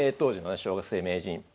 小学生名人